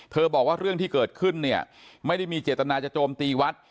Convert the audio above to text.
เธอบอกว่าเรื่องที่เกิดขึ้นไม่ได้เจตนาจะโจมตีวัด